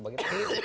bagi pak irvan